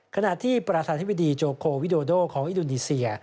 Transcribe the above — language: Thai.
ขณะที่ประธานธิบดีโจโควิโดโดของอินโดนีเซีย